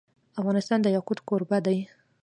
افغانستان د یاقوت کوربه دی.